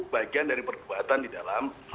bagian dari perdebatan di dalam